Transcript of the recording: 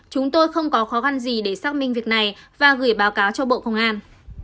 chúng tôi không có khó khăn gì để xác minh việc này và gửi báo cáo cho bộ công an